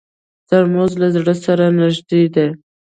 ترموز له زړه سره نږدې دی.